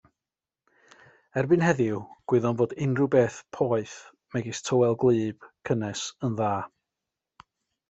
Erbyn heddiw, gwyddom fod unrhyw beth poeth megis tywel gwlyb, cynnes yn dda.